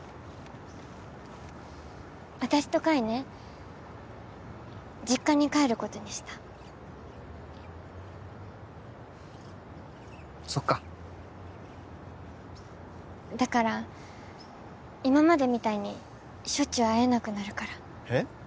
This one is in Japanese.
私と海ね実家に帰ることにしたそっかだから今までみたいにしょっちゅう会えなくなるからえっ？